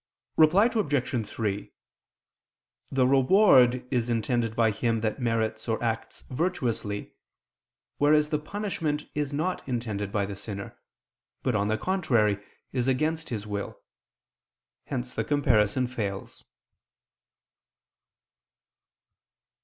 Reply Obj. 3: The reward is intended by him that merits or acts virtu[ous]ly; whereas the punishment is not intended by the sinner, but, on the contrary, is against his will. Hence the comparison fails.